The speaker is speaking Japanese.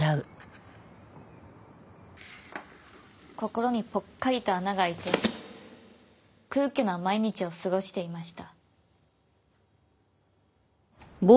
心にぽっかりと穴が開いて空虚な毎日を過ごしていました。